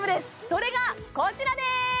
それがこちらです